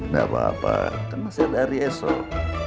gak apa apa kan masih ada hari esok